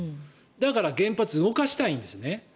だから原発動かしたいんですね。